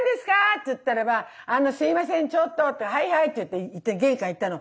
っつったらば「あのすいませんちょっと」って「はいはい」って言って玄関行ったの。